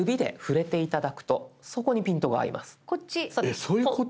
えっそういうこと？